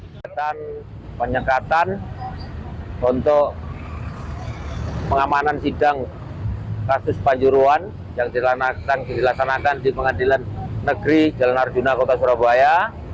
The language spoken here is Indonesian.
penyekatan penyekatan untuk pengamanan sidang kasus panjuruan yang dilaksanakan di pengadilan negeri jalan arjuna kota surabaya